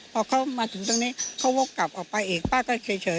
พอเขามาถึงตรงนี้เขาวกกลับออกไปอีกป้าก็เฉย